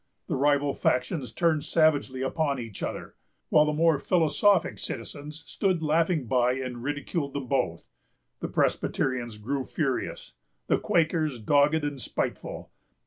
The rival factions turned savagely upon each other; while the more philosophic citizens stood laughing by, and ridiculed them both. The Presbyterians grew furious, the Quakers dogged and spiteful.